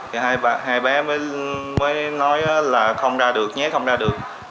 thì hai bé mới nói là không ra được nhé không ra được